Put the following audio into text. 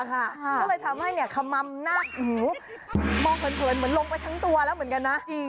ทำไมทำให้เขมมบอร์เผินเหมือนลงไปทั้งตัวแล้วเหมือนกันนะ